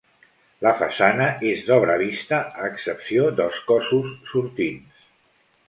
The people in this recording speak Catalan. La façana és d'obra vista a excepció dels cossos sortints.